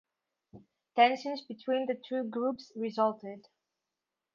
Tensions between the two groups resulted.